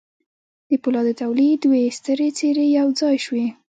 د پولادو د تولید دوې سترې څېرې یو ځای شوې